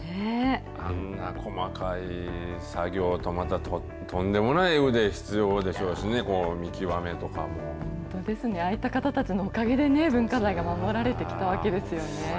あんな細かい作業と、また、とんでもない腕、本当ですね、ああいった方たちのおかげで文化財が守られてきたわけですよね。